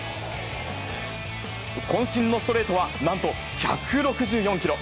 こん身のストレートは、なんと１６４キロ。